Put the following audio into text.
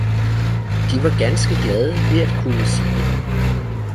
De var ganske glade ved at kunne sige.